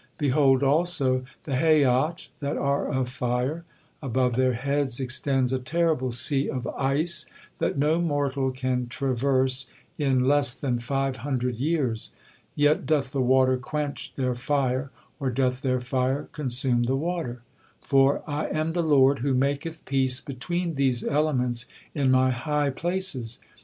Behold, also, the Hayyot that are of fire. Above their heads extends a terrible sea of ice that no mortal can traverse in less than five hundred years. Yet doth the water quench their fire, or doth their fire consume the water? For, 'I am the Lord who maketh peace between these elements in My high places.'